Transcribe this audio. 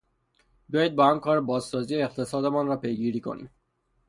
بیایید با هم کار بازسازی اقتصادمان را پیگیری کنیم.